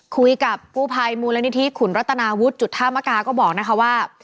คุยกับกู้ภัยมูลนิธิขุนรัตนาวุฒิจุธามกาก็บอกนะคะว่า